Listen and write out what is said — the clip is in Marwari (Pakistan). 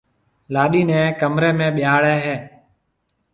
لاڏِي نيَ ڪمرَي ۾ ٻيھاڙَي ھيََََ